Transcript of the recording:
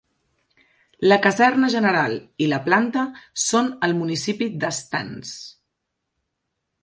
La caserna general i la planta són al municipi de Stans.